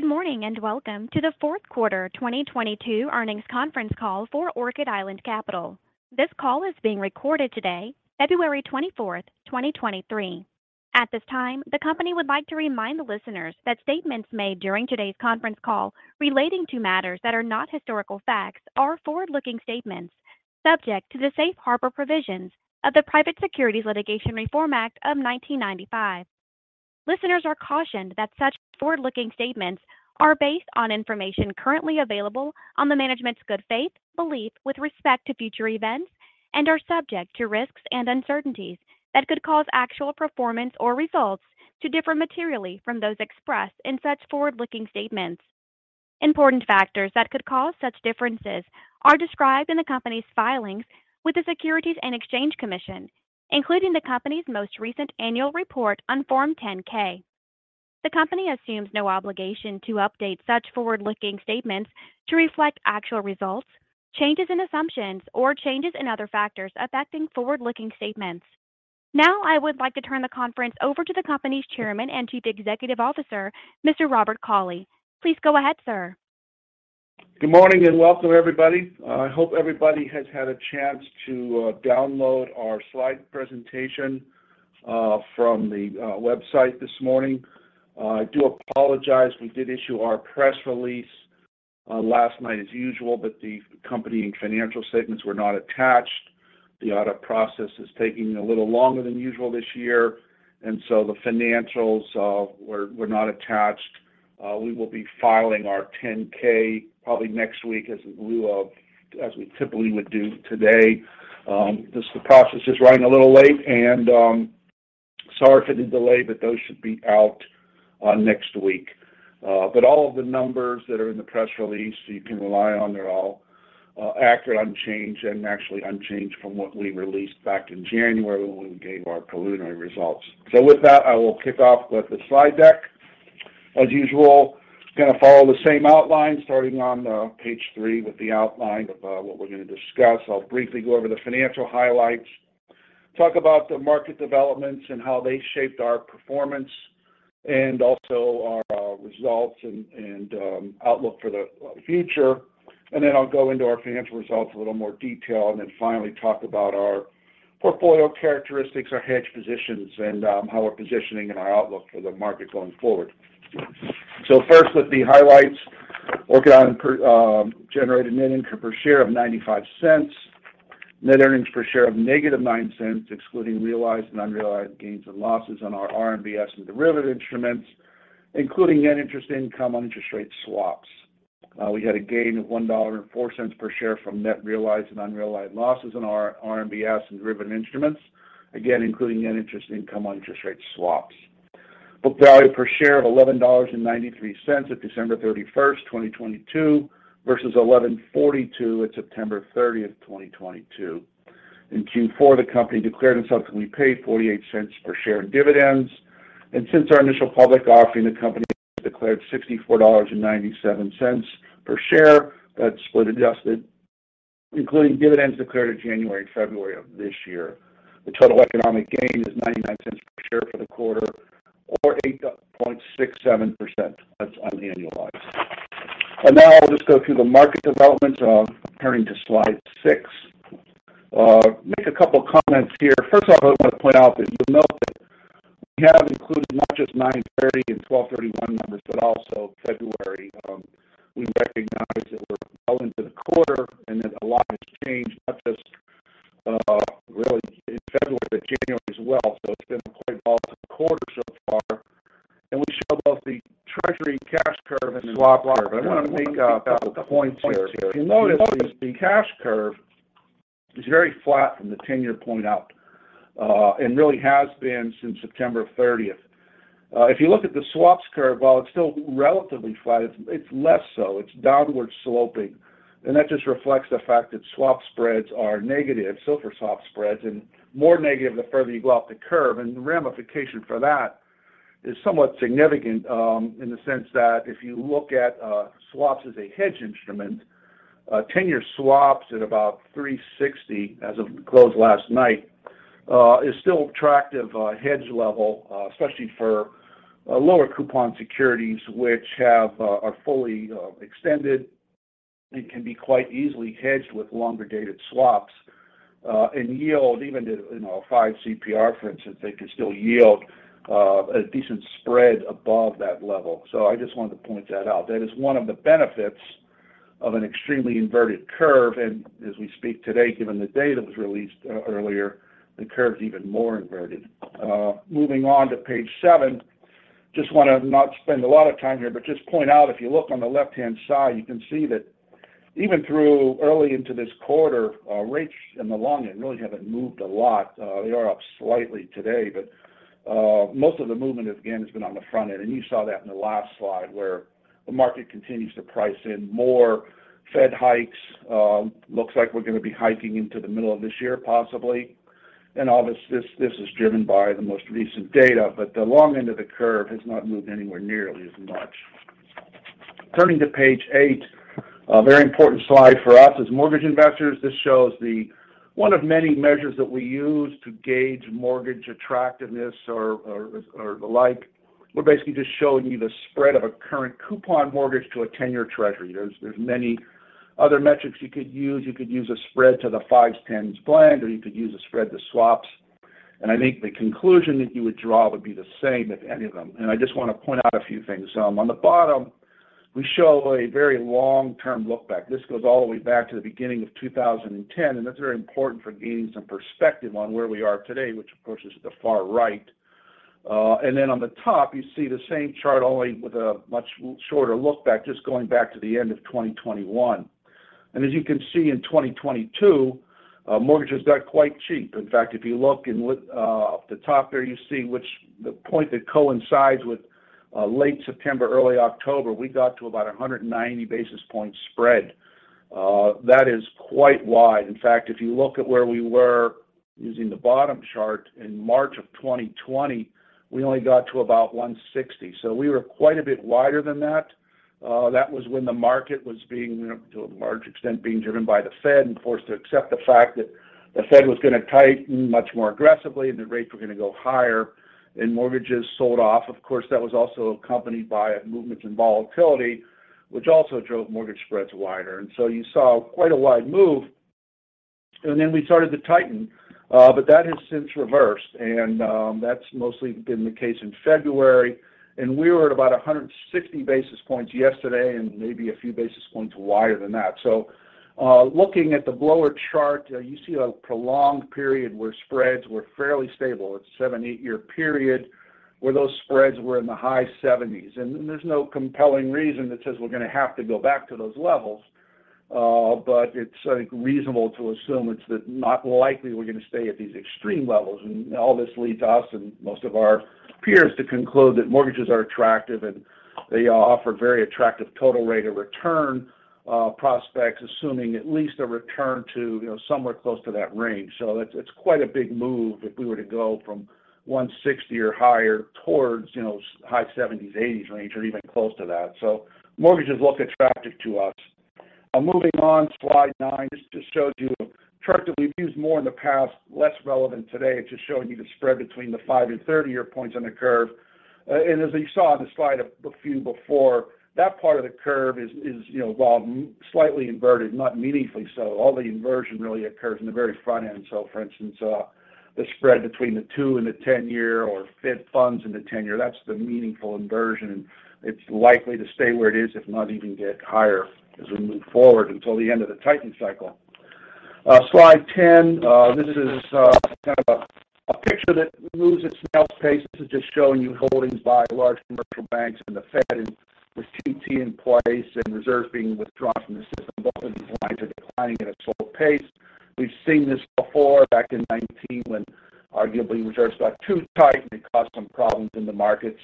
Good morning. Welcome to the Q4 2022 Earnings Conference Call for Orchid Island Capital. This call is being recorded today, February 24th, 2023. At this time, the company would like to remind the listeners that statements made during today's conference call relating to matters that are not historical facts are forward-looking statements subject to the safe harbor provisions of the Private Securities Litigation Reform Act of 1995. Listeners are cautioned that such forward-looking statements are based on information currently available on the management's good faith, belief with respect to future events, and are subject to risks and uncertainties that could cause actual performance or results to differ materially from those expressed in such forward-looking statements. Important factors that could cause such differences are described in the company's filings with the Securities and Exchange Commission, including the company's most recent annual report on Form 10-K. The company assumes no obligation to update such forward-looking statements to reflect actual results, changes in assumptions, or changes in other factors affecting forward-looking statements. Now, I would like to turn the conference over to the company's Chairman and Chief Executive Officer, Mr. Robert Cauley. Please go ahead, sir. Good morning, and welcome everybody. I hope everybody has had a chance to download our slide presentation from the website this morning. I do apologize, we did issue our press release last night as usual, the accompanying financial statements were not attached. The audit process is taking a little longer than usual this year, the financials were not attached. We will be filing our 10-K probably next week as we typically would do today. Just the process is running a little late, sorry for the delay, those should be out next week. All of the numbers that are in the press release, you can rely on. They're all accurate, unchanged, and actually unchanged from what we released back in January when we gave our preliminary results. With that, I will kick off with the slide deck. As usual, gonna follow the same outline, starting on page three with the outline of what we're gonna discuss. I'll briefly go over the financial highlights, talk about the market developments and how they shaped our performance, and also our results and outlook for the future. Then I'll go into our financial results in a little more detail, and then finally talk about our portfolio characteristics, our hedge positions, and how we're positioning and our outlook for the market going forward. First with the highlights. Orchid Island generated net income per share of $0.95. Net earnings per share of negative $0.09, excluding realized and unrealized gains and losses on our RMBS and derivative instruments, including net interest income on interest rate swaps. We had a gain of $1.04 per share from net realized and unrealized losses on our RMBS and driven instruments. Again, including net interest income on interest rate swaps. Book value per share of $11.93 at December 31, 2022 versus $11.42 at September 30, 2022. In Q4, the company declared and subsequently paid $0.48 per share in dividends. Since our initial public offering, the company declared $64.97 per share. That's split adjusted, including dividends declared in January and February of this year. The total economic gain is $0.99 per share for the quarter or 8.67%. That's unannualized. Now I'll just go through the market developments, turning to slide 6. Make a couple comments here. First of all, I wanna point out that you'll note that we have included not just 9/30 and 12/31 numbers, but also February. We recognize that we're well into the quarter and that a lot has changed, not just really in February, but January as well. It's been quite a volatile quarter so far. We show both the Treasury cash curve and swap curve. I wanna make a couple points here. If you notice the cash curve is very flat from the 10-year point out, and really has been since September 30th. If you look at the swaps curve, while it's still relatively flat, it's less so. It's downward sloping. That just reflects the fact that swap spreads are negative, SOFR swap spreads, and more negative the further you go up the curve. The ramification for that is somewhat significant, in the sense that if you look at, swaps as a hedge instrument, 10-year swaps at about 360 as of the close last night, is still attractive, hedge level, especially for, lower coupon securities which have, are fully, extended and can be quite easily hedged with longer-dated swaps, and yield even to, you know, five CPR for instance, they can still yield, a decent spread above that level. I just wanted to point that out. That is one of the benefits of an extremely inverted curve. As we speak today, given the data that was released, earlier, the curve's even more inverted. moving on to page seven. Just wanna not spend a lot of time here, but just point out if you look on the left-hand side, you can see that even through early into this quarter, rates in the long end really haven't moved a lot. They are up slightly today, but most of the movement again has been on the front end. You saw that in the last slide where the market continues to price in more Fed hikes. Looks like we're gonna be hiking into the middle of this year possibly. All this is driven by the most recent data. The long end of the curve has not moved anywhere nearly as much. Turning to page eight. A very important slide for us as mortgage investors. This shows the one of many measures that we use to gauge mortgage attractiveness or the like. We're basically just showing you the spread of a current coupon mortgage to a 10-year treasury. There's many other metrics you could use. You could use a spread to the fives, tens blend, you could use a spread to swaps. I think the conclusion that you would draw would be the same if any of them. I just wanna point out a few things. On the bottom, we show a very long-term look back. This goes all the way back to the beginning of 2010, and that's very important for gaining some perspective on where we are today, which of course is at the far right. On the top, you see the same chart only with a much shorter look back, just going back to the end of 2021. As you can see in 2022, mortgages got quite cheap. In fact, if you look and with, up the top there, you see which the point that coincides with late September, early October, we got to about 190 basis points spread. That is quite wide. In fact, if you look at where we were using the bottom chart in March of 2020, we only got to about 160. We were quite a bit wider than that. That was when the market was being, to a large extent, being driven by the Fed and forced to accept the fact that the Fed was gonna tighten much more aggressively, and the rates were gonna go higher, and mortgages sold off. Of course, that was also accompanied by a movement in volatility, which also drove mortgage spreads wider. You saw quite a wide move. Then we started to tighten, but that has since reversed, and that's mostly been the case in February. We were at about 160 basis points yesterday and maybe a few basis points wider than that. Looking at the lower chart, you see a prolonged period where spreads were fairly stable. It's 7, 8-year period where those spreads were in the high 70s. There's no compelling reason that says we're gonna have to go back to those levels, but it's, I think, reasonable to assume it's that not likely we're gonna stay at these extreme levels. All this lead to us and most of our peers to conclude that mortgages are attractive, and they offer very attractive total rate of return prospects, assuming at least a return to, you know, somewhere close to that range. It's quite a big move if we were to go from 160 or higher towards, you know, high 70s, 80s range or even close to that. Mortgages look attractive to us. Moving on, slide 9. This just shows you a chart that we've used more in the past, less relevant today. It's just showing you the spread between the 5 and 30-year points on the curve. As you saw on the slide a few before, that part of the curve is, you know, while slightly inverted, not meaningfully so. All the inversion really occurs in the very front end. For instance, the spread between the two and the 10-year or Fed funds and the 10-year, that's the meaningful inversion. It's likely to stay where it is, if not even get higher as we move forward until the end of the tighten cycle. Slide 10, this is kind of a picture that moves at snail's pace. This is just showing you holdings by large commercial banks and the Fed. With QT in place and reserves being withdrawn from the system, both of these lines are declining at a slow pace. We've seen this before back in 2019 when arguably reserves got too tight, and it caused some problems in the markets.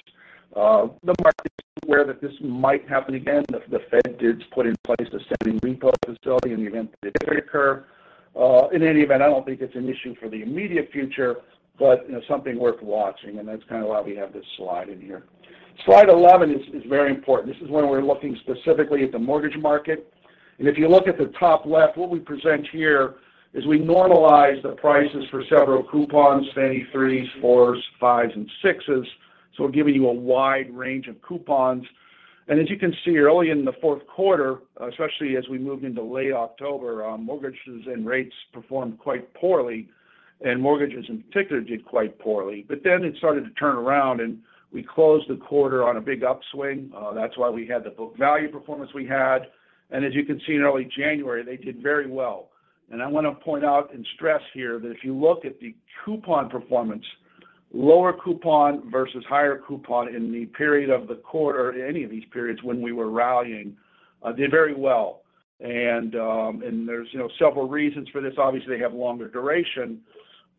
The market is aware that this might happen again. The Fed did put in place a standing repo facility in the event that it did occur. In any event, I don't think it's an issue for the immediate future, but, you know, something worth watching, and that's kinda why we have this slide in here. Slide 11 is very important. This is when we're looking specifically at the mortgage market. If you look at the top left, what we present here is we normalize the prices for several coupons, Fannie threes, fours, fives, and sixes. We're giving you a wide range of coupons. As you can see early in the Q4, especially as we moved into late October, mortgages and rates performed quite poorly, and mortgages in particular did quite poorly. It started to turn around, and we closed the quarter on a big upswing, that's why we had the book value performance we had. As you can see in early January, they did very well. I want to point out and stress here that if you look at the coupon performance, lower coupon versus higher coupon in the period of the quarter, any of these periods when we were rallying, did very well. there's, you know, several reasons for this. Obviously, they have longer duration.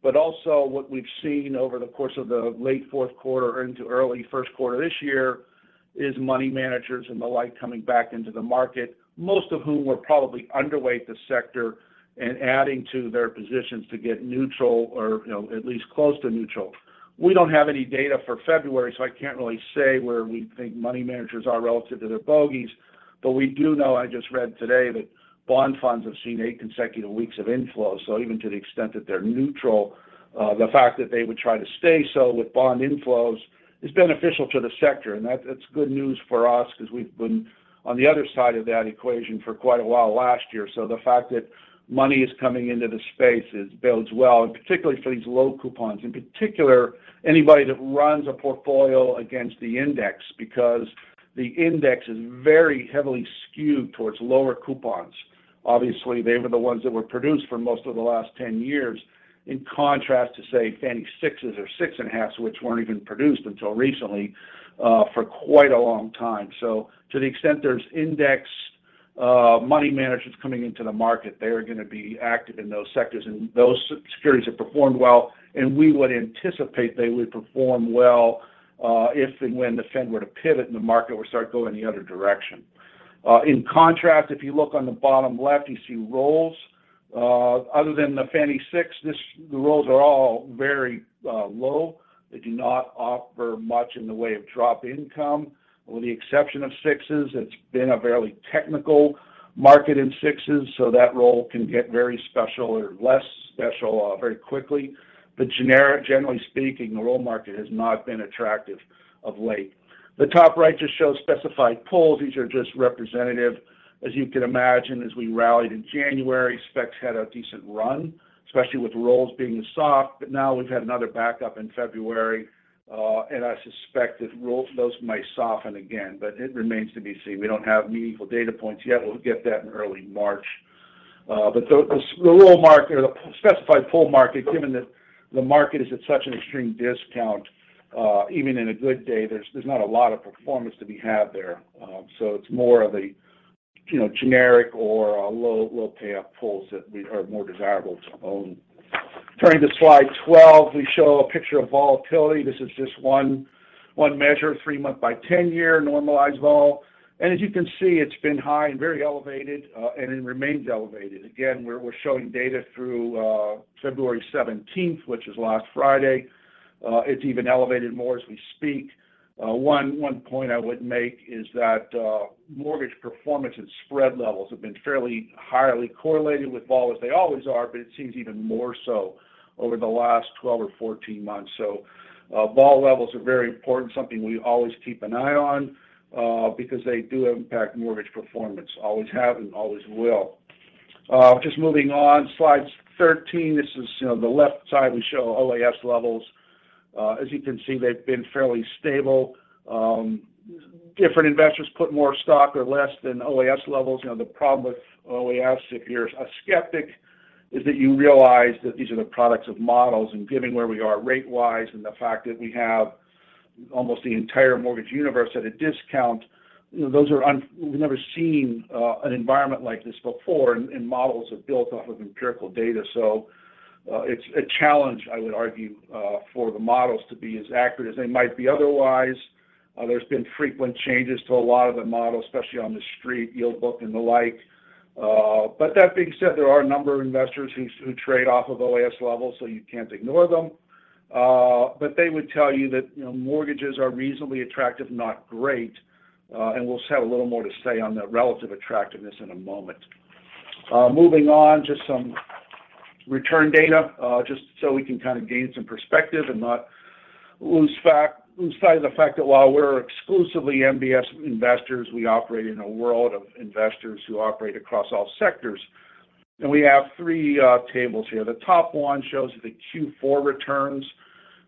also what we've seen over the course of the late Q4 into early Q1 this year is money managers and the like coming back into the market, most of whom were probably underweight the sector and adding to their positions to get neutral or, you know, at least close to neutral. We don't have any data for February, so I can't really say where we think money managers are relative to their bogeys. We do know, I just read today, that bond funds have seen eight consecutive weeks of inflows. Even to the extent that they're neutral, the fact that they would try to stay so with bond inflows is beneficial to the sector. That's good news for us because we've been on the other side of that equation for quite a while last year. The fact that money is coming into the space bodes well, and particularly for these low coupons. In particular, anybody that runs a portfolio against the index because the index is very heavily skewed towards lower coupons. Obviously, they were the ones that were produced for most of the last 10 years, in contrast to, say, Fannie sixes or six and a half's, which weren't even produced until recently, for quite a long time. To the extent there's index, money managers coming into the market, they are gonna be active in those sectors, and those securities have performed well, and we would anticipate they would perform well if and when the Fed were to pivot and the market would start going the other direction. In contrast, if you look on the bottom left, you see rolls. Other than the Fannie 6, this, the rolls are all very low. They do not offer much in the way of drop income. With the exception of 6s, it's been a fairly technical market in 6s, so that roll can get very special or less special very quickly. Generic, generally speaking, the roll market has not been attractive of late. The top right just shows specified pools. These are just representative. As you can imagine, as we rallied in January, specs had a decent run, especially with rolls being soft. Now we've had another backup in February, and I suspect that rolls might soften again. It remains to be seen. We don't have meaningful data points yet. We'll get that in early March. The roll market or the specified pull market, given that the market is at such an extreme discount, even in a good day, there's not a lot of performance to be had there. So it's more of a, you know, generic or a low payoff pulls that we are more desirable to own. Turning to slide 12, we show a picture of volatility. This is just one measure, 3-month by 10-year normalized Vol. As you can see, it's been high and very elevated, and it remains elevated. Again, we're showing data through February 17th, which is last Friday. It's even elevated more as we speak. One point I would make is that mortgage performance and spread levels have been fairly highly correlated with Vol, as they always are, but it seems even more so over the last 12 or 14 months. Vol levels are very important, something we always keep an eye on, because they do impact mortgage performance. Always have and always will. Just moving on, slide 13. This is, you know, the left side, we show OAS levels. As you can see, they've been fairly stable. Different investors put more stock or less than OAS levels. You know, the problem with OAS if you're a skeptic is that you realize that these are the products of models. Given where we are rate-wise and the fact that we have almost the entire mortgage universe at a discount, you know, those are We've never seen an environment like this before, and models are built off of empirical data. It's a challenge, I would argue, for the models to be as accurate as they might be otherwise. There's been frequent changes to a lot of the models, especially on the street, Yield Book and the like. That being said, there are a number of investors who trade off of OAS levels, so you can't ignore them. They would tell you that, you know, mortgages are reasonably attractive, not great. We'll have a little more to say on the relative attractiveness in a moment. Moving on, just some return data, just so we can kind of gain some perspective and not lose sight of the fact that while we're exclusively MBS investors, we operate in a world of investors who operate across all sectors. We have three tables here. The top one shows the Q4 returns.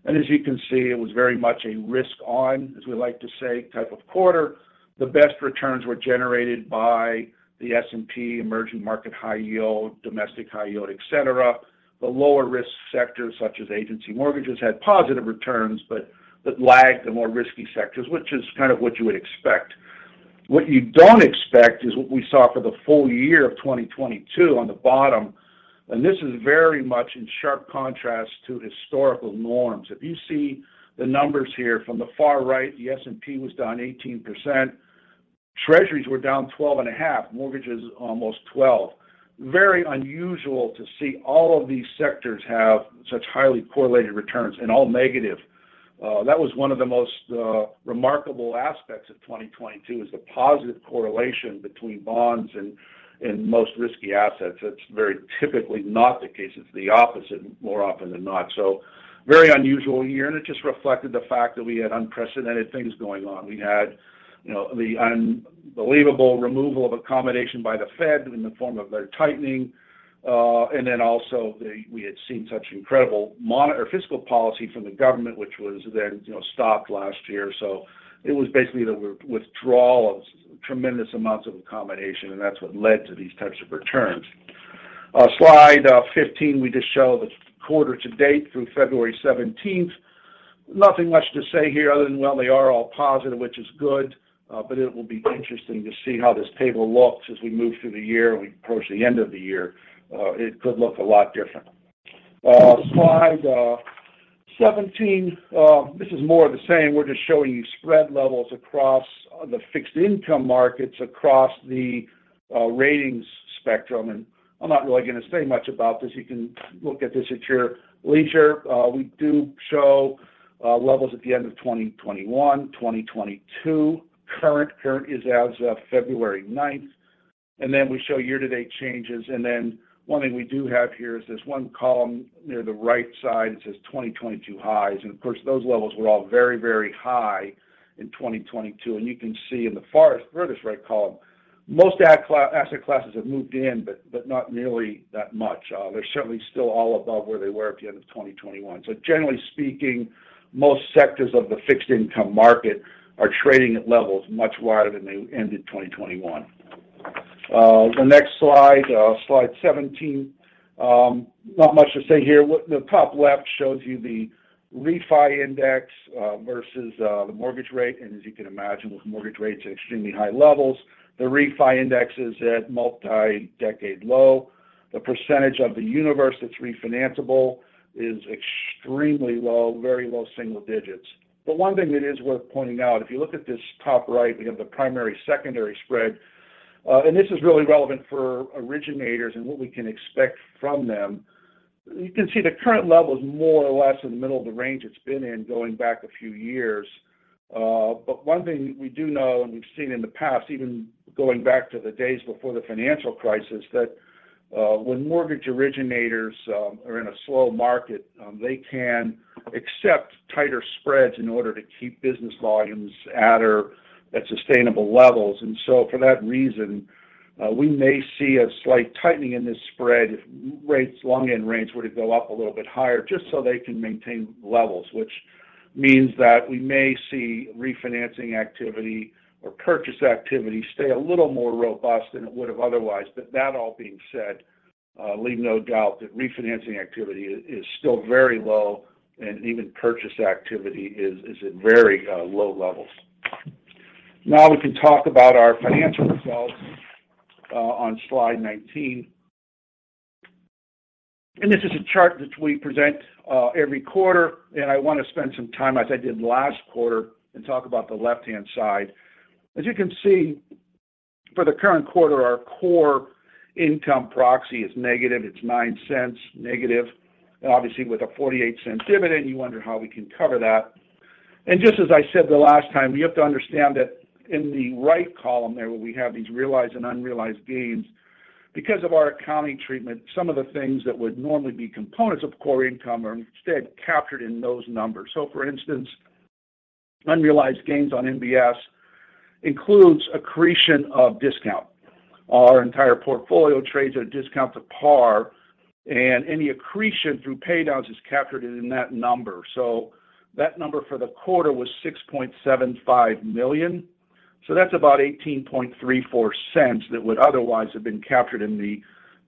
As you can see, it was very much a risk on, as we like to say, type of quarter. The best returns were generated by the S&P emerging market high yield, domestic high yield, et cetera. The lower-risk sectors, such as agency mortgages, had positive returns, but lagged the more risky sectors, which is kind of what you would expect. What you don't expect is what we saw for the full year of 2022 on the bottom. This is very much in sharp contrast to historical norms. If you see the numbers here from the far right, the S&P was down 18%, Treasuries were down 12.5%, mortgages almost 12%. Very unusual to see all of these sectors have such highly correlated returns and all negative. That was one of the most remarkable aspects of 2022, is the positive correlation between bonds and most risky assets. That's very typically not the case. It's the opposite more often than not. Very unusual year. It just reflected the fact that we had unprecedented things going on. We had, you know, the unbelievable removal of accommodation by the Fed in the form of their tightening. Also the, we had seen such incredible fiscal policy from the government, which was then, you know, stopped last year. It was basically the withdrawal of tremendous amounts of accommodation, and that's what led to these types of returns. Slide 15, we just show the quarter to date through February 17th. Nothing much to say here other than, well, they are all positive, which is good. It will be interesting to see how this table looks as we move through the year and we approach the end of the year. It could look a lot different. Slide 17, this is more of the same. We're just showing you spread levels across the fixed income markets across the ratings spectrum. I'm not really gonna say much about this. You can look at this at your leisure. We do show levels at the end of 2021, 2022. Current, current is as of February 9th. Then we show year-to-date changes. Then one thing we do have here is this one column near the right side that says 2022 highs. Of course, those levels were all very, very high in 2022. You can see in the farthest right column, most asset classes have moved in, but not nearly that much. They're certainly still all above where they were at the end of 2021. Generally speaking, most sectors of the fixed income market are trading at levels much wider than they ended 2021. The next slide 17, not much to say here. The top left shows you the refi index versus the mortgage rate. As you can imagine, with mortgage rates at extremely high levels, the refi index is at multi-decade low. The % of the universe that's refinanceable is extremely low, very low single digits. One thing that is worth pointing out, if you look at this top right, we have the primary/secondary spread. This is really relevant for originators and what we can expect from them. You can see the current level is more or less in the middle of the range it's been in going back a few years. One thing we do know, and we've seen in the past, even going back to the days before the financial crisis, that when mortgage originators are in a slow market, they can accept tighter spreads in order to keep business volumes at sustainable levels. For that reason, we may see a slight tightening in this spread if long-end rates were to go up a little bit higher, just so they can maintain levels, which means that we may see refinancing activity or purchase activity stay a little more robust than it would have otherwise. That all being said, leave no doubt that refinancing activity is still very low, and even purchase activity is at very low levels. Now we can talk about our financial results on slide 19. This is a chart that we present every quarter, and I want to spend some time, as I did last quarter, and talk about the left-hand side. As you can see, for the current quarter, our core income proxy is negative. It's $0.09 negative. Obviously, with a $0.48 dividend, you wonder how we can cover that. Just as I said the last time, you have to understand that in the right column there where we have these realized and unrealized gains, because of our accounting treatment, some of the things that would normally be components of core income are instead captured in those numbers. For instance, unrealized gains on MBS includes accretion of discount. Our entire portfolio trades at a discount to par, and any accretion through paydowns is captured in that number. That number for the quarter was $6.75 million. That's about $0.1834 that would otherwise have been captured in the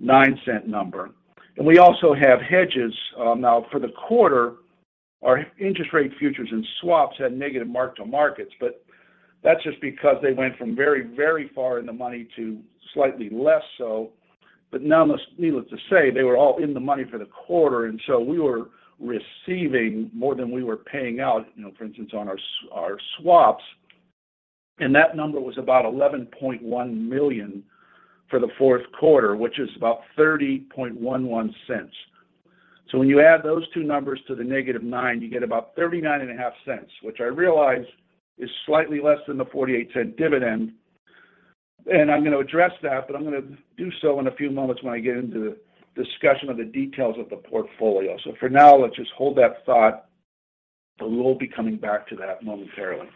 $0.09 number. We also have hedges. Now, for the quarter, our interest rate futures and swaps had negative mark-to-markets, but that's just because they went from very, very far in the money to slightly less so. Needless to say, they were all in the money for the quarter. We were receiving more than we were paying out, for instance, on our swaps. That number was about $11.1 million for the Q4, which is about $0.3011. When you add those two numbers to the negative $0.09, you get about $0.395, which I realize is slightly less than the $0.48 dividend. I'm going to address that, but I'm going to do so in a few moments when I get into the discussion of the details of the portfolio. For now, let's just hold that thought. We'll be coming back to that momentarily.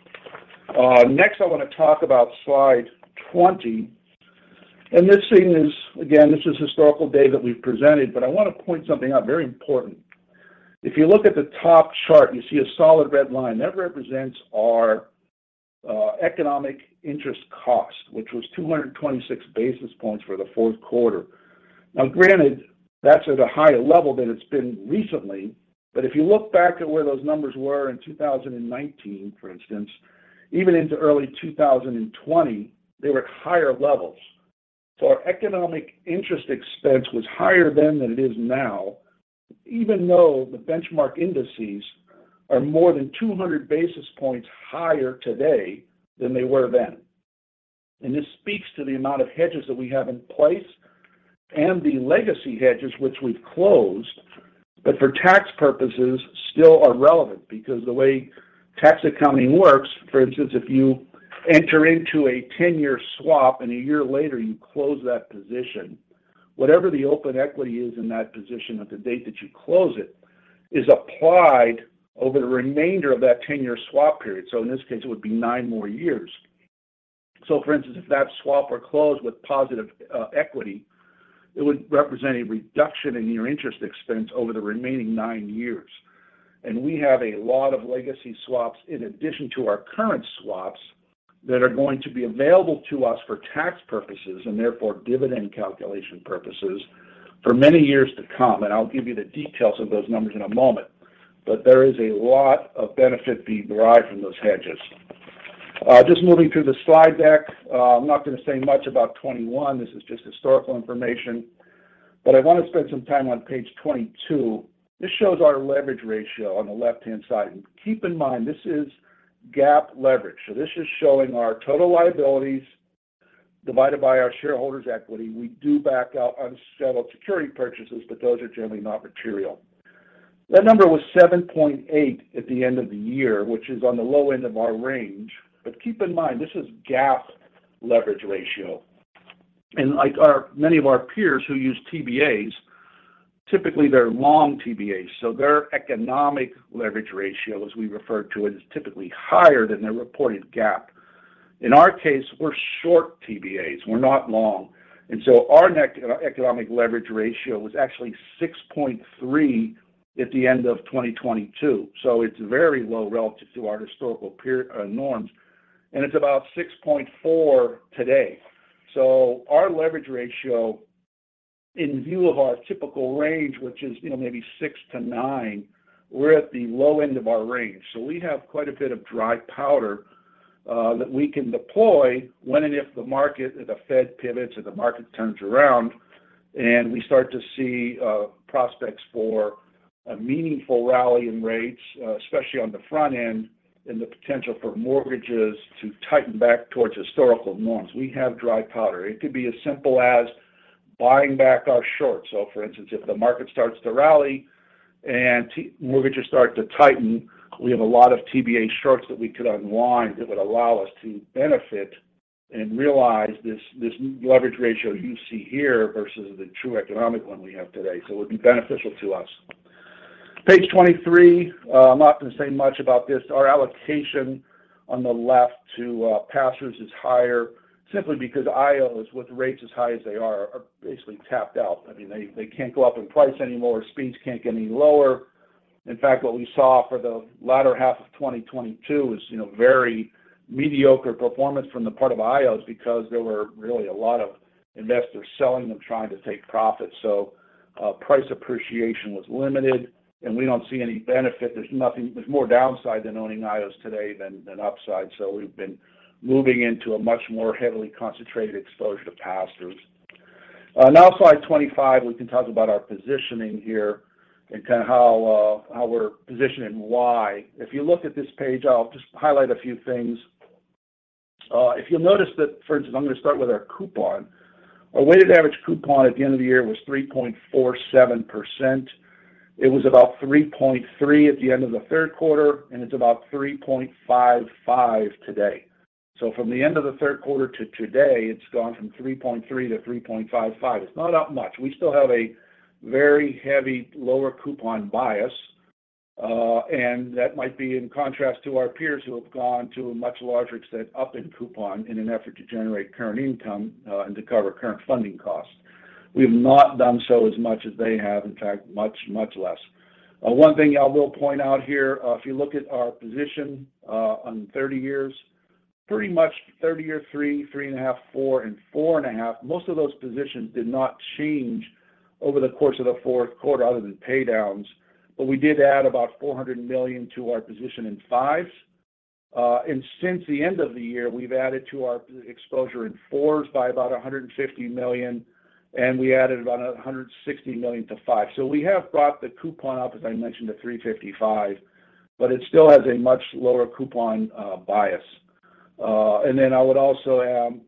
Next, I want to talk about slide 20. This thing is, again, this is historical data that we've presented, but I want to point something out very important. If you look at the top chart, you see a solid red line. That represents our economic interest cost, which was 226 basis points for the Q4. Granted, that's at a higher level than it's been recently. If you look back at where those numbers were in 2019, for instance, even into early 2020, they were at higher levels. Our economic interest expense was higher then than it is now, even though the benchmark indices are more than 200 basis points higher today than they were then. This speaks to the amount of hedges that we have in place and the legacy hedges, which we've closed, but for tax purposes still are relevant because the way tax accounting works, for instance, if you enter into a 10-year swap and a year later you close that position, whatever the open equity is in that position at the date that you close it is applied over the remainder of that 10-year swap period. In this case, it would be nine more years. For instance, if that swap were closed with positive equity, it would represent a reduction in your interest expense over the remaining nine years. We have a lot of legacy swaps in addition to our current swaps that are going to be available to us for tax purposes and therefore dividend calculation purposes for many years to come. I'll give you the details of those numbers in a moment. There is a lot of benefit being derived from those hedges. Just moving through the slide deck, I'm not going to say much about 21. This is just historical information. I want to spend some time on page 22. This shows our leverage ratio on the left-hand side. Keep in mind, this is GAAP leverage. This is showing our total liabilities divided by our shareholders' equity. We do back out unsettled security purchases, but those are generally not material. That number was 7.8 at the end of the year, which is on the low end of our range. Keep in mind, this is GAAP leverage ratio. Like many of our peers who use TBAs, typically they're long TBAs. Their economic leverage ratio, as we refer to it, is typically higher than their reported GAAP. In our case, we're short TBAs. We're not long. Our economic leverage ratio was actually 6.3 at the end of 2022. It's very low relative to our historical norms. It's about 6.4 today. Our leverage ratio in view of our typical range, which is maybe 6-9, we're at the low end of our range. We have quite a bit of dry powder that we can deploy when and if the market, the Fed pivots and the market turns around and we start to see prospects for a meaningful rally in rates, especially on the front end, and the potential for mortgages to tighten back towards historical norms. We have dry powder. It could be as simple as buying back our shorts. For instance, if the market starts to rally and t-mortgages start to tighten, we have a lot of TBA shorts that we could unwind that would allow us to benefit and realize this leverage ratio you see here versus the true economic one we have today. It would be beneficial to us. Page 23, I'm not going to say much about this. Our allocation on the left to pass-throughs is higher simply because IOs with rates as high as they are basically tapped out. I mean, they can't go up in price anymore. Speeds can't get any lower. In fact, what we saw for the latter half of 2022 is, you know, very mediocre performance from the part of IOs because there were really a lot of investors selling them, trying to take profit. Price appreciation was limited, and we don't see any benefit. There's more downside than owning IOs today than upside. We've been moving into a much more heavily concentrated exposure to pass-throughs. On slide 25, we can talk about our positioning here and kind of how we're positioning why. If you look at this page, I'll just highlight a few things. If you'll notice that, for instance, I'm going to start with our coupon. Our weighted average coupon at the end of the year was 3.47%. It was about 3.3 at the end of the Q3, and it's about 3.55 today. From the end of the Q3 to today, it's gone from 3.3 to 3.55. It's not up much. We still have a very heavy lower coupon bias, and that might be in contrast to our peers who have gone to a much larger extent up in coupon in an effort to generate current income, and to cover current funding costs. We've not done so as much as they have. In fact, much, much less. One thing I will point out here, if you look at our position on 30-years. Pretty much 30-year 3.5, 4, and 4.5. Most of those positions did not change over the course of the Q4 other than pay downs. We did add about $400 million to our position in 5s. Since the end of the year, we've added to our exposure in fours by about $150 million, and we added about $160 million to five. We have brought the coupon up, as I mentioned, to 3.55, but it still has a much lower coupon bias. I would also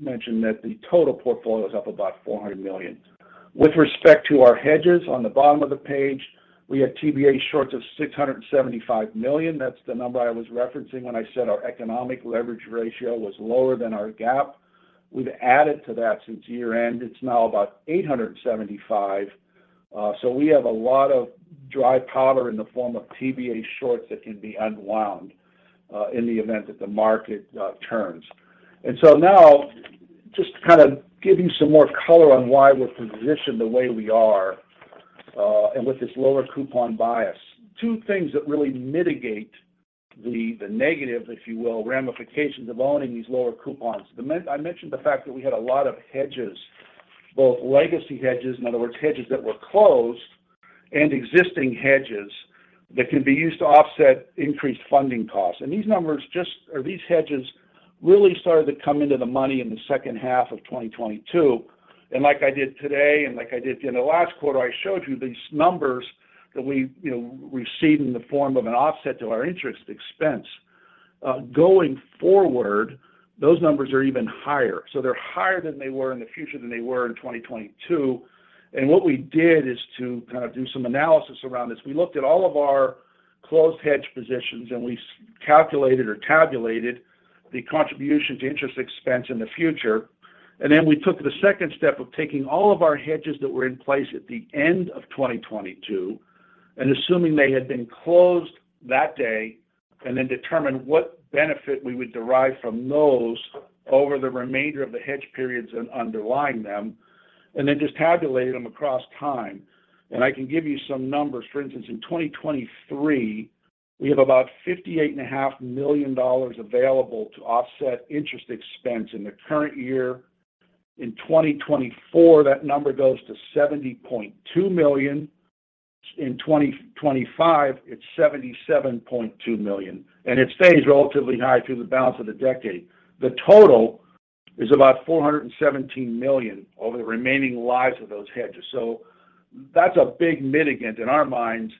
mention that the total portfolio is up about $400 million. With respect to our hedges on the bottom of the page, we had TBA shorts of $675 million. That's the number I was referencing when I said our economic leverage ratio was lower than our GAAP. We've added to that since year-end. It's now about $875 million. We have a lot of dry powder in the form of TBA shorts that can be unwound in the event that the market turns. Now, just to kind of give you some more color on why we're positioned the way we are and with this lower coupon bias. Two things that really mitigate the negative, if you will, ramifications of owning these lower coupons. I mentioned the fact that we had a lot of hedges, both legacy hedges, in other words, hedges that were closed, and existing hedges that can be used to offset increased funding costs. These hedges really started to come into the money in the second half of 2022. Like I did today and like I did in the last quarter, I showed you these numbers that we, you know, received in the form of an offset to our interest expense. Going forward, those numbers are even higher. They're higher than they were in the future than they were in 2022. What we did is to kind of do some analysis around this. We looked at all of our closed hedge positions, and we calculated or tabulated the contribution to interest expense in the future. We took the second step of taking all of our hedges that were in place at the end of 2022 and assuming they had been closed that day, and then determined what benefit we would derive from those over the remainder of the hedge periods in underlying them, and then just tabulated them across time. I can give you some numbers. For instance, in 2023, we have about fifty-eight and a half million dollars available to offset interest expense in the current year. In 2024, that number goes to $70.2 million. In 2025, it's $77.2 million, and it stays relatively high through the balance of the decade. The total is about $417 million over the remaining lives of those hedges. That's a big mitigant in our minds,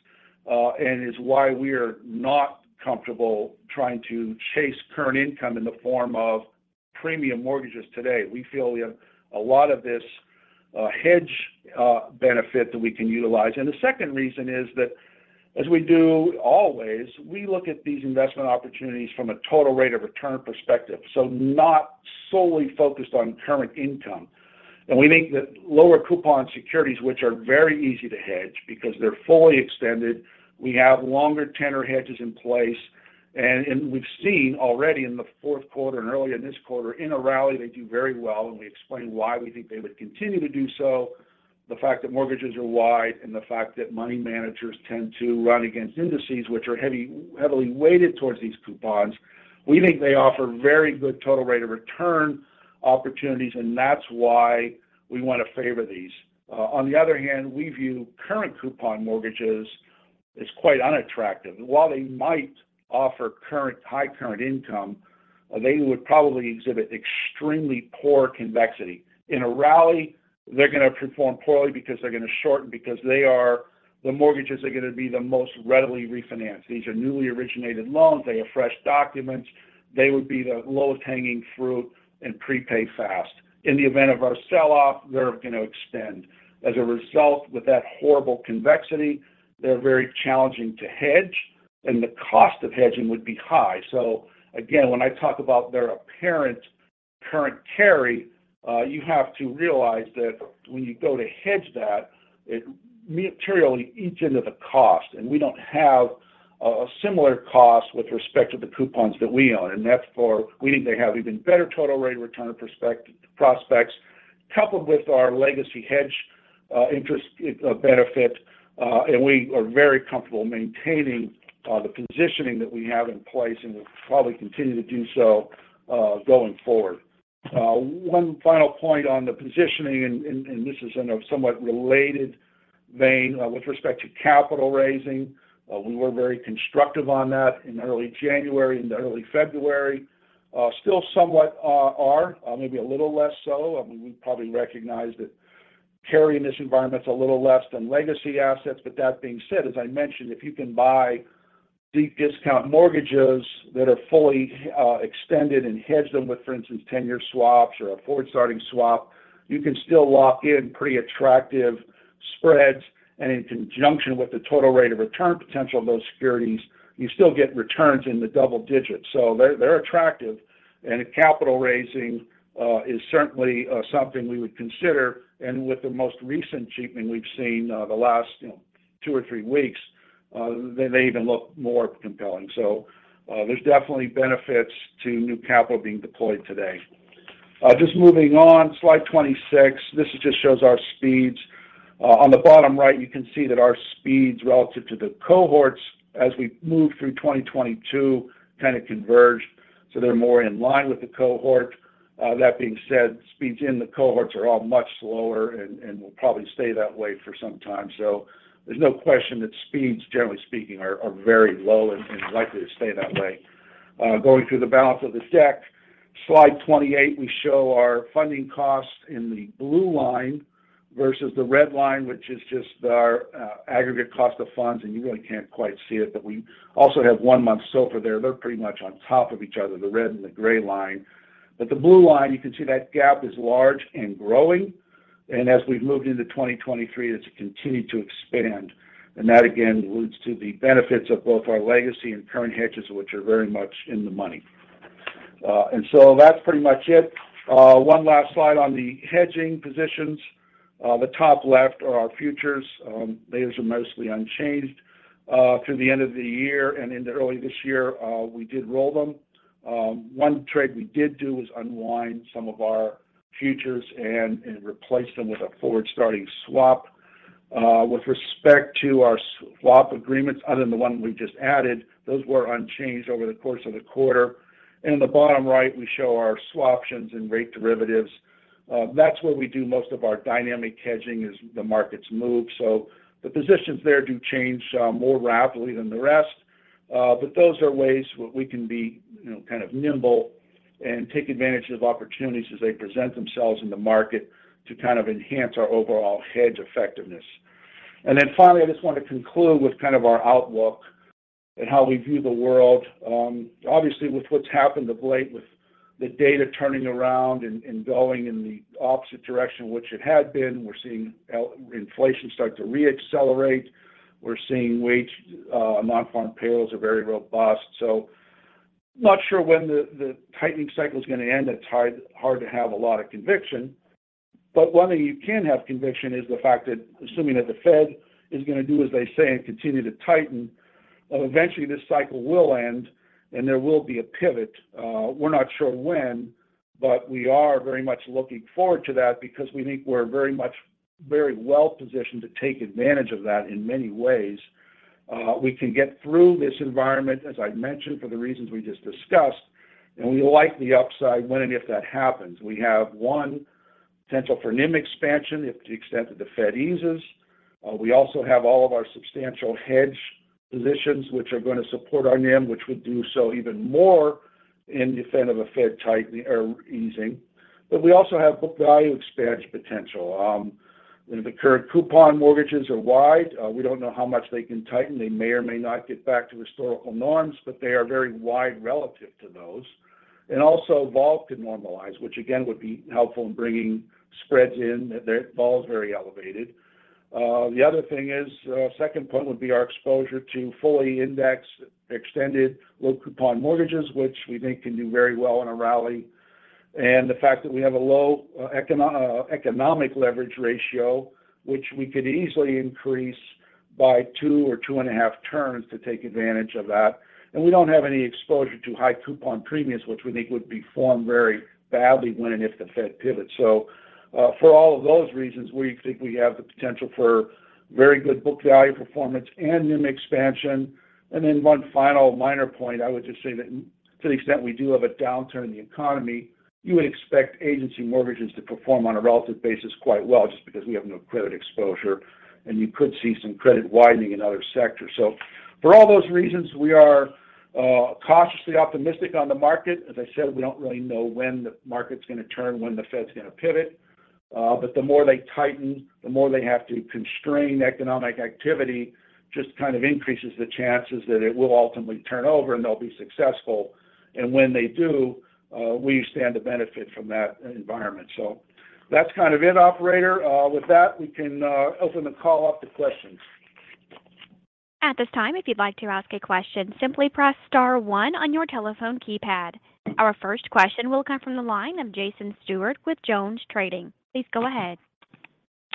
and it's why we are not comfortable trying to chase current income in the form of premium mortgages today. We feel we have a lot of this hedge benefit that we can utilize. The second reason is that as we do always, we look at these investment opportunities from a total rate of return perspective, so not solely focused on current income. We think that lower coupon securities, which are very easy to hedge because they're fully extended, we have longer tenor hedges in place. We've seen already in the Q4 and earlier in this quarter in a rally, they do very well, and we explained why we think they would continue to do so. The fact that mortgages are wide and the fact that money managers tend to run against indices which are heavily weighted towards these coupons. We think they offer very good total rate of return opportunities, and that's why we want to favor these. On the other hand, we view current coupon mortgages is quite unattractive. While they might offer high current income, they would probably exhibit extremely poor convexity. In a rally, they're going to perform poorly because they're going to shorten because the mortgages are going to be the most readily refinanced. These are newly originated loans. They have fresh documents. They would be the lowest hanging fruit and prepay fast. In the event of our sell-off, they're going to extend. As a result, with that horrible convexity, they're very challenging to hedge, and the cost of hedging would be high. Again, when I talk about their apparent current carry, you have to realize that when you go to hedge that, it materially eats into the cost. We don't have a similar cost with respect to the coupons that we own. Therefore, we think they have even better total rate of return prospects, coupled with our legacy hedge, interest, benefit. We are very comfortable maintaining the positioning that we have in place, and we'll probably continue to do so, going forward. One final point on the positioning. This is in a somewhat related vein with respect to capital raising. We were very constructive on that in early January and early February. Still somewhat are, maybe a little less so. I mean, we probably recognize that carry in this environment is a little less than legacy assets. That being said, as I mentioned, if you can buy deep discount mortgages that are fully extended and hedge them with, for instance, tenure swaps or a forward-starting swap, you can still lock in pretty attractive spreads. In conjunction with the total rate of return potential of those securities, you still get returns in the double digits. They're attractive. Capital raising is certainly something we would consider. With the most recent cheapening we've seen, the last, you know, two or three weeks, they may even look more compelling. There's definitely benefits to new capital being deployed today. Just moving on, slide 26, this just shows our speeds. On the bottom right, you can see that our speeds relative to the cohorts as we move through 2022 kind of converged, so they're more in line with the cohort. That being said, speeds in the cohorts are all much slower and will probably stay that way for some time. There's no question that speeds, generally speaking, are very low and likely to stay that way. Going through the balance of this deck, slide 28, we show our funding costs in the blue line versus the red line, which is just our aggregate cost of funds, and you really can't quite see it. We also have one month SOFR there. They're pretty much on top of each other, the red and the gray line. The blue line, you can see that gap is large and growing. As we've moved into 2023, it's continued to expand. That, again, alludes to the benefits of both our legacy and current hedges, which are very much in the money. That's pretty much it. One last slide on the hedging positions. The top left are our futures. Those are mostly unchanged through the end of the year. In the early this year, we did roll them. One trade we did do was unwind some of our futures and replace them with a forward-starting swap. With respect to our swap agreements, other than the one we just added, those were unchanged over the course of the quarter. In the bottom right, we show our swaptions and rate derivatives. That's where we do most of our dynamic hedging as the markets move. The positions there do change, more rapidly than the rest. Those are ways we can be, you know, kind of nimble and take advantage of opportunities as they present themselves in the market to kind of enhance our overall hedge effectiveness. Finally, I just want to conclude with kind of our outlook and how we view the world. Obviously, with what's happened of late with the data turning around and going in the opposite direction, which it had been, we're seeing inflation start to re-accelerate. We're seeing wage, non-farm payrolls are very robust. Not sure when the tightening cycle is going to end. It's hard to have a lot of conviction. One thing you can have conviction is the fact that assuming that the Fed is going to do as they say and continue to tighten, eventually this cycle will end, and there will be a pivot. We're not sure when, but we are very much looking forward to that because we think we're very much, very well positioned to take advantage of that in many ways. We can get through this environment, as I mentioned, for the reasons we just discussed, and we like the upside when and if that happens. We have, one, potential for NIM expansion if the extent that the Fed eases. We also have all of our substantial hedge positions which are going to support our NIM, which would do so even more in the event of a Fed easing. We also have book value expansion potential. The current coupon mortgages are wide. We don't know how much they can tighten. They may or may not get back to historical norms, but they are very wide relative to those. Vol could normalize, which again, would be helpful in bringing spreads in. Vol is very elevated. The other thing is, second point would be our exposure to fully indexed, extended low coupon mortgages, which we think can do very well in a rally. The fact that we have a low economic leverage ratio, which we could easily increase by 2 or 2.5 turns to take advantage of that. We don't have any exposure to high coupon premiums, which we think would be formed very badly when and if the Fed pivots. For all of those reasons, we think we have the potential for very good book value performance and NIM expansion. One final minor point, I would just say that to the extent we do have a downturn in the economy, you would expect agency mortgages to perform on a relative basis quite well just because we have no credit exposure, and you could see some credit widening in other sectors. For all those reasons, we are cautiously optimistic on the market. As I said, we don't really know when the market's gonna turn, when the Fed's gonna pivot. The more they tighten, the more they have to constrain economic activity just kind of increases the chances that it will ultimately turn over, and they'll be successful. When they do, we stand to benefit from that environment. That's kind of it, operator. With that, we can open the call up to questions. At this time, if you'd like to ask a question, simply press star one on your telephone keypad. Our first question will come from the line of Jason Stewart with JonesTrading. Please go ahead.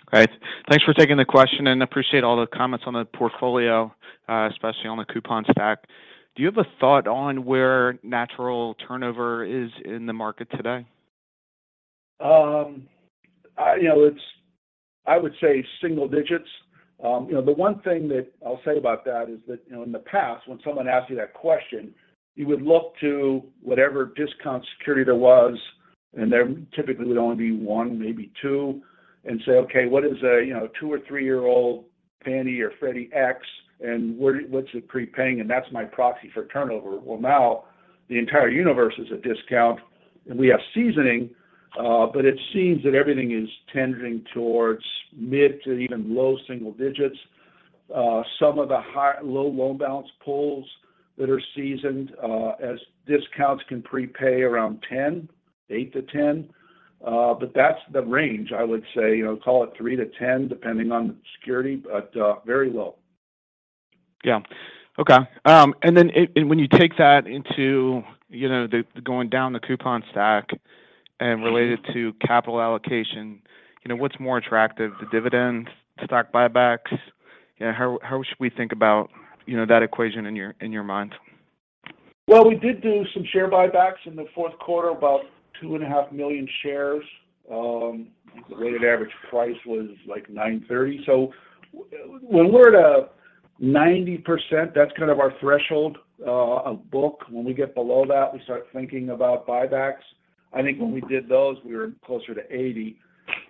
Great. Thanks for taking the question, and appreciate all the comments on the portfolio, especially on the coupon stack. Do you have a thought on where natural turnover is in the market today? I, you know, it's... I would say single digits. You know, the one thing that I'll say about that is that, you know, in the past, when someone asked you that question, you would look to whatever discount security there was, and there typically would only be one, maybe two, and say, "Okay, what is a, you know, 2 or 3-year-old Fannie or Freddie X, and what's it prepaying?" That's my proxy for turnover. Now the entire universe is at discount, and we have seasoning, but it seems that everything is tendering towards mid to even low single digits. Some of the low loan balance pools that are seasoned, as discounts can prepay around 10, 8 to 10. But that's the range, I would say. You know, call it 3 to 10, depending on the security, but very low. Yeah. Okay. Then when you take that into, you know, the going down the coupon stack and relate it to capital allocation, you know, what's more attractive, the dividends, stock buybacks? You know, how should we think about, you know, that equation in your mind? We did do some share buybacks in the Q4, about 2.5 million shares. The weighted average price was, like, $9.30. When we're at a 90%, that's kind of our threshold of book. When we get below that, we start thinking about buybacks. I think when we did those, we were closer to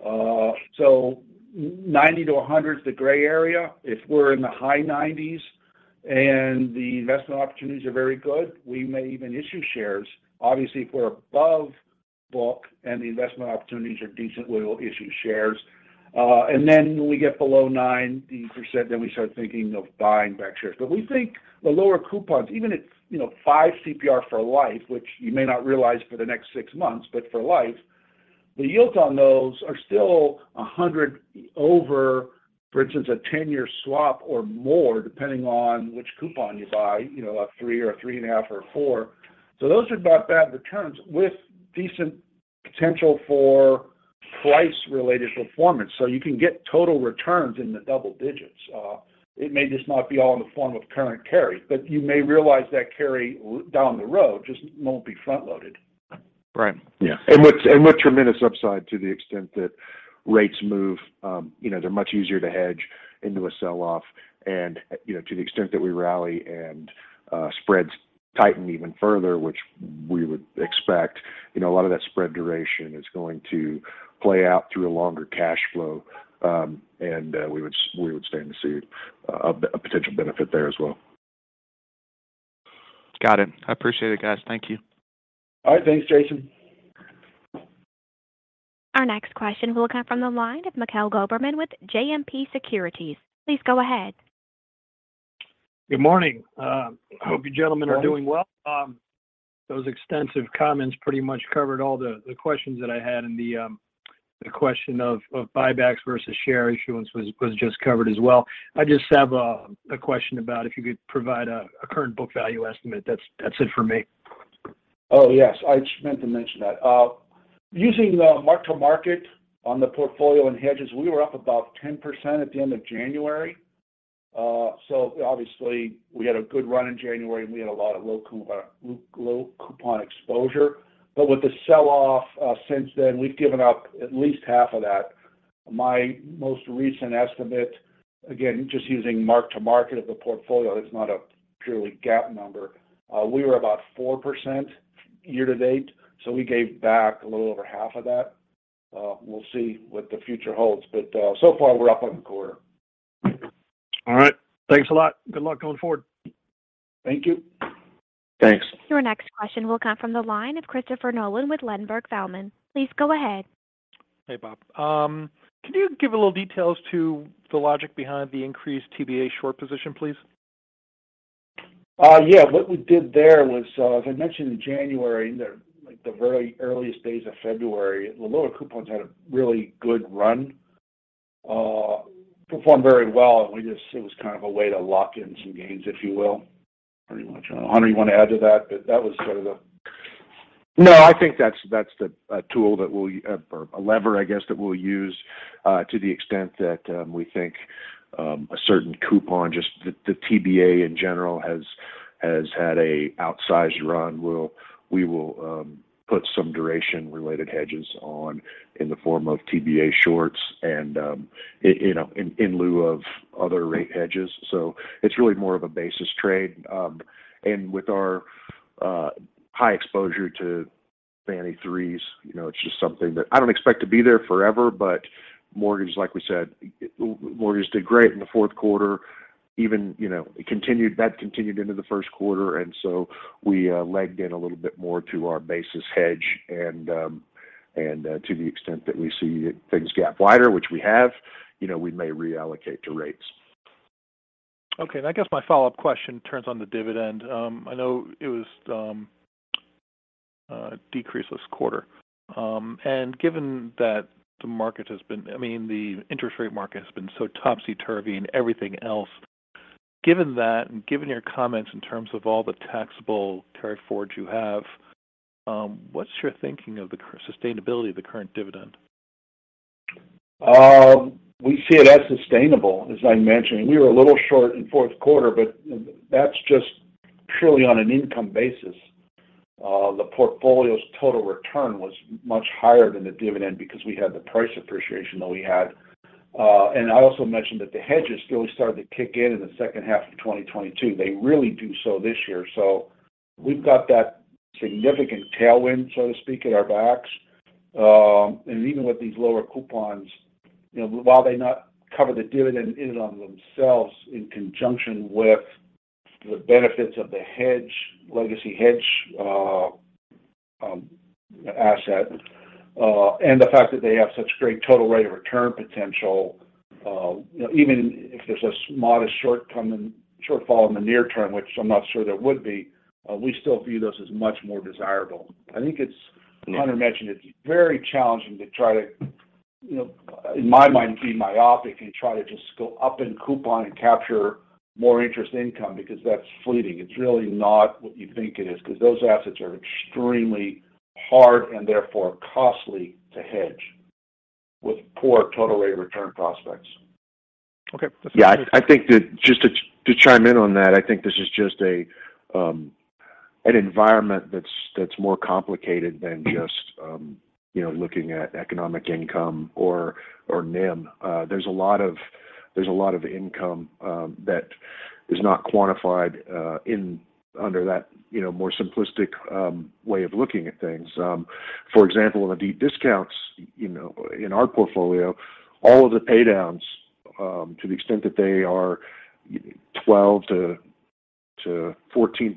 80%. 90%-100% is the gray area. If we're in the high 90s and the investment opportunities are very good, we may even issue shares. Obviously, if we're above book and the investment opportunities are decent, we will issue shares. When we get below 90%, then we start thinking of buying back shares. We think the lower coupons, even at, you know, five CPR for life, which you may not realize for the next six months, but for life, the yields on those are still 100 over, for instance, a 10-year swap or more, depending on which coupon you buy, you know, a 3 or a 3.5 or a 4. Those are about bad returns with decent potential for price-related performance. You can get total returns in the double digits. It may just not be all in the form of current carry, but you may realize that carry down the road, just won't be front-loaded. Right. Yeah, with tremendous upside to the extent that rates move. You know, they're much easier to hedge into a sell-off and, you know, to the extent that we rally and spreads tighten even further, which we would expect. You know, a lot of that spread duration is going to play out through a longer cash flow. We would stand to see a potential benefit there as well. Got it. I appreciate it, guys. Thank you. All right. Thanks, Jason. Our next question will come from the line of Mikhail Goberman with JMP Securities. Please go ahead. Good morning. Hope you gentlemen are doing well. Morning. Those extensive comments pretty much covered all the questions that I had, and the question of buybacks versus share issuance was just covered as well. I just have a question about if you could provide a current book value estimate. That's it for me. Oh, yes. I just meant to mention that. Using the mark to market on the portfolio and hedges, we were up about 10% at the end of January. Obviously we had a good run in January, and we had a lot of low coupon exposure. With the sell-off, since then, we've given up at least half of that. My most recent estimate, again, just using mark to market of the portfolio, it's not a purely GAAP number. We were about 4% year to date, so we gave back a little over half of that. We'll see what the future holds, but so far, we're up on the quarter. All right. Thanks a lot. Good luck going forward. Thank you. Thanks. Your next question will come from the line of Christopher Nolan with Ladenburg Thalmann. Please go ahead. Hey, Bob. can you give a little details to the logic behind the increased TBA short position, please? Yeah. What we did there was, as I mentioned in January, the, like, the very earliest days of February, the lower coupons had a really good run. Performed very well, and it was kind of a way to lock in some gains, if you will. Pretty much. I don't know, Hunter, you want to add to that? That was sort of the... I think that's the tool that we'll use or a lever, I guess, that we'll use to the extent that we think a certain coupon, just the TBA in general has had a outsized run. We'll, we will put some duration-related hedges on in the form of TBA shorts and you know, in lieu of other rate hedges. It's really more of a basis trade. With our high exposure to Fannie threes. You know, it's just something that I don't expect to be there forever, but mortgage, like we said, mortgages did great in the Q4. Even, you know, that continued into the Q1, we legged in a little bit more to our basis hedge and to the extent that we see things gap wider, which we have, you know, we may reallocate to rates. Okay. I guess my follow-up question turns on the dividend. I know it was decreased this quarter. Given that the market has been... I mean, the interest rate market has been so topsy-turvy and everything else, given that and given your comments in terms of all the taxable Treasury forward you have, what's your thinking of the sustainability of the current dividend? We see it as sustainable. As I mentioned, we were a little short in Q4, but that's just purely on an income basis. The portfolio's total return was much higher than the dividend because we had the price appreciation that we had. I also mentioned that the hedges really started to kick in in the second half of 2022. They really do so this year. We've got that significant tailwind, so to speak, at our backs. Even with these lower coupons, you know, while they not cover the dividend in and of themselves in conjunction with the benefits of the hedge, legacy hedge, asset, and the fact that they have such great total rate of return potential, you know, even if there's a modest shortfall in the near term, which I'm not sure there would be, we still view those as much more desirable. Yeah. Hunter mentioned it's very challenging to try to, you know, in my mind, be myopic and try to just go up in coupon and capture more interest income because that's fleeting. It's really not what you think it is because those assets are extremely hard and therefore costly to hedge with poor total rate of return prospects. Okay. I think that just to chime in on that, I think this is just an environment that's more complicated than just, you know, looking at economic income or NIM. There's a lot of income that is not quantified under that, you know, more simplistic way of looking at things. For example, on the deep discounts, you know, in our portfolio, all of the pay downs to the extent that they are 12-14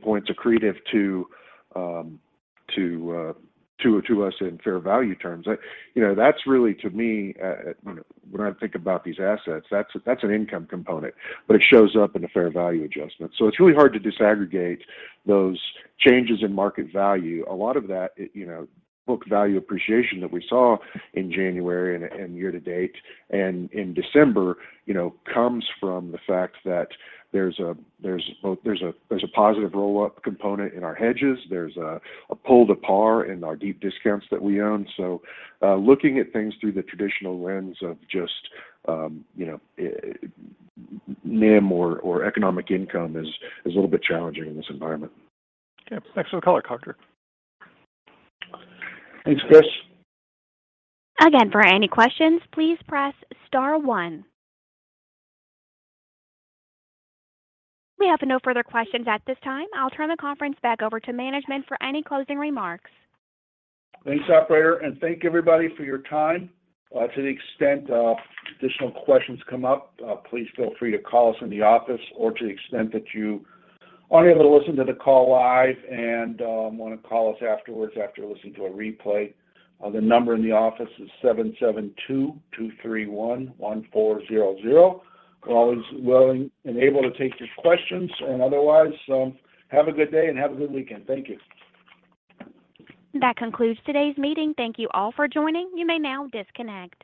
points accretive to us in fair value terms. You know, that's really to me, when I think about these assets, that's an income component, but it shows up in a fair value adjustment. It's really hard to disaggregate those changes in market value. A lot of that, you know, book value appreciation that we saw in January and year to date and in December, you know, comes from the fact that there's a, there's a positive roll-up component in our hedges. There's a pull to par in our deep discounts that we own. Looking at things through the traditional lens of just, you know, NIM or economic income is a little bit challenging in this environment. Yeah. Thanks for the color, Hunter. Thanks, Chris. Again, for any questions, please press star one. We have no further questions at this time. I'll turn the conference back over to management for any closing remarks. Thanks, operator, thank everybody for your time. To the extent additional questions come up, please feel free to call us in the office or to the extent that you aren't able to listen to the call live and want to call us afterwards after listening to a replay. The number in the office is 7722311400. We're always willing and able to take your questions. Otherwise, have a good day and have a good weekend. Thank you. That concludes today's meeting. Thank you all for joining. You may now disconnect.